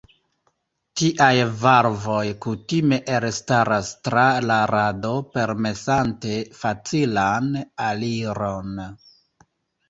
Tiaj valvoj kutime elstaras tra la rado permesante facilan aliron.